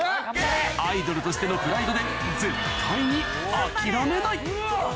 アイドルとしてのプライドで絶対にあぁ！